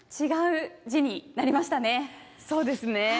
そうですね。